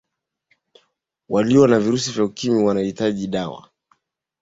waliyo na virusi vya ukimwi wanatumia dawa